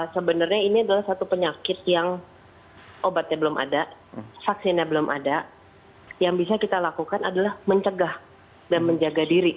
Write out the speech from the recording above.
sebenarnya ini adalah satu penyakit yang obatnya belum ada vaksinnya belum ada yang bisa kita lakukan adalah mencegah dan menjaga diri